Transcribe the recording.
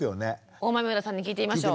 大豆生田さんに聞いてみましょう。